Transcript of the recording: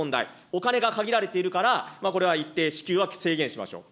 お金が限られているから、これは一定支給は制限しましょう。